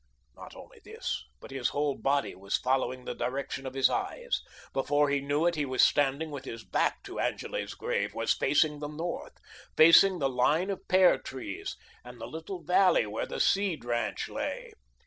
Not only this, but his whole body was following the direction of his eyes. Before he knew it, he was standing with his back to Angele's grave, was facing the north, facing the line of pear trees and the little valley where the Seed ranch lay.